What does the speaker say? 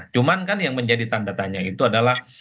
cuman kan yang menjadi tanda tanya itu adalah